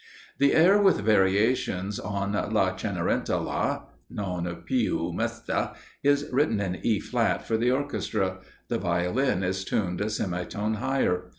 The air with variations, on "La Cenerentola" (Non più mesta), is written in E flat for the Orchestra; the Violin is tuned a semitone higher.